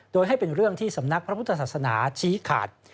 โดยให้เป็นเรื่องที่สำนักพระพุทธศาสนาชี้ขาด